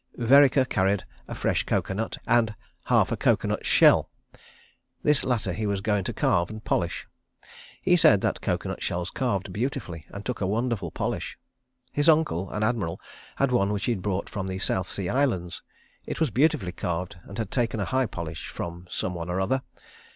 Vereker carried a fresh coco nut and half a coco nut shell. This latter he was going to carve and polish. He said that coco nut shells carved beautifully and took a wonderful polish. ... His uncle, an admiral, had one which he brought from the South Sea Islands. It was beautifully carved and had taken a high polish—from someone or other.